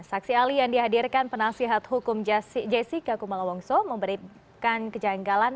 saksi ali yang dihadirkan penasihat hukum jessica kumalawongso memberikan kejanggalan